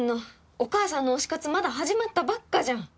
お母さんの推し活まだ始まったばっかじゃん！